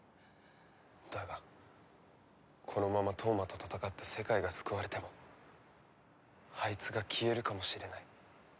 だがこのまま飛羽真と戦って世界が救われてもあいつが消えるかもしれない。